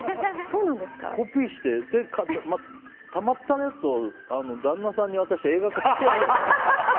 コピーして、たまったやつを旦那さんに渡して映画化してもらえば。